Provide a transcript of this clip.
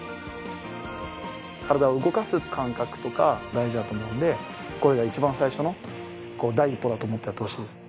体を動かす感覚とか大事だと思うんでこれが一番最初の第一歩だと思ってやってほしいですね。